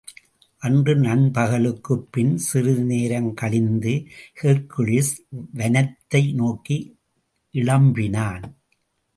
அன்று நண்பகலுக்குப் பின் சிறிது நேரம் கழிந்து, ஹெர்க்குலிஸ் வனத்தை நோக்கிக் இளம்பினான்.